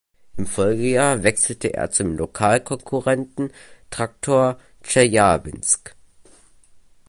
Im Folgejahr wechselte er zum Lokalkonkurrenten Traktor Tscheljabinsk.